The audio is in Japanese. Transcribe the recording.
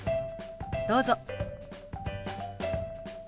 どうぞ。